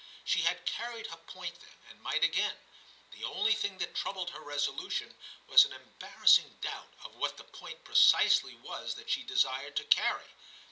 She had carried her point then, and might again ; the only thing that troubled her resolution was an embarrassing doubt of what the point precisely was that she desired to carry.